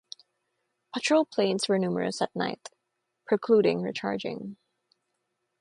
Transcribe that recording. Patrol planes were numerous at night, precluding recharging.